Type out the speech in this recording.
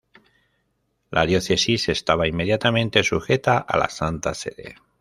La diócesis estaba inmediatamente sujeta a la Santa Sede.